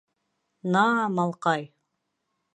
— Наа, малҡай!